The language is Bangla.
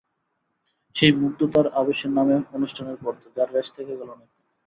সেই মুগ্ধতার আবেশে নামে অনুষ্ঠানের পর্দা, যার রেশ থেকে গেল অনেকক্ষণ।